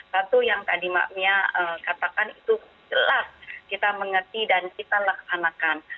satu yang tadi mbak mia katakan itu jelas kita mengerti dan kita laksanakan